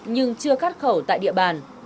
nhưng chưa khát khẩu tại địa bàn